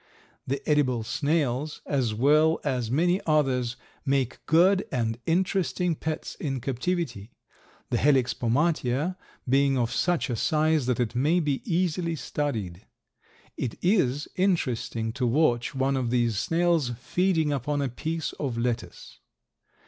The edible snails, as well as many others, make good and interesting pets in captivity, the Helix pomatia being of such a size that it may be easily studied. It is interesting to watch one of these snails feeding upon a piece of lettuce.